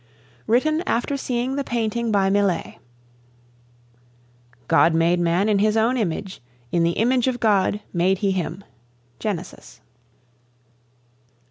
WRITTEN AFTER SEEING THE PAINTING BY MILLET. God made man in His own image, in the image of God made He him. GENESIS.